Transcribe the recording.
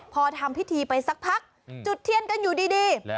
พอทำพิธีไปสักพักจุดเทียนกันอยู่ดี